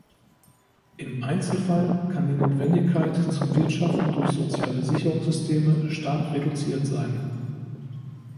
Im Einzelfall kann die Notwendigkeit zum Wirtschaften durch soziale Sicherungssysteme stark reduziert sein.